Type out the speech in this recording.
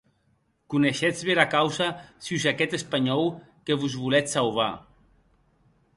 Coneishetz bèra causa sus aqueth espanhòu que vos voletz sauvar.